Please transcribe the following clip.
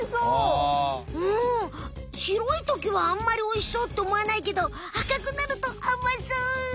うんしろいときはあんまりおいしそうっておもわないけど赤くなるとあまそう！